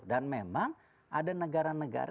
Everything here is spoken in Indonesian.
dan memang ada negara negara